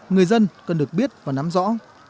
người dân cần được biết và nắm rõ